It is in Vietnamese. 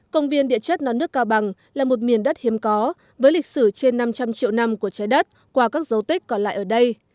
công viên địa chất non nước cao bằng là một miền đất hiếm có với lịch sử trên năm trăm linh triệu năm của trái đất qua các dấu tích còn lại ở đây